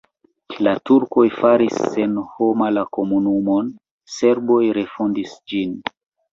La turkoj faris senhoma la komunumon, serboj refondis ĝin.